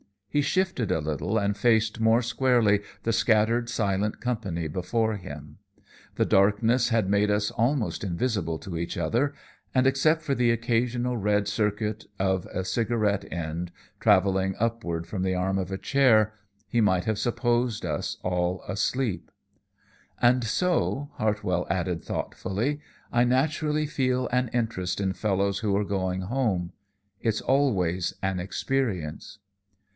He shifted a little and faced more squarely the scattered, silent company before him. The darkness had made us almost invisible to each other, and, except for the occasional red circuit of a cigarette end traveling upward from the arm of a chair, he might have supposed us all asleep. "And so," Hartwell added thoughtfully, "I naturally feel an interest in fellows who are going home. It's always an experience."